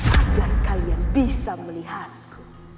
agar kalian bisa melihatku